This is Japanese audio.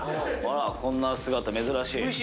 こんな姿珍しい。